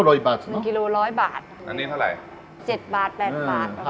มะลาโก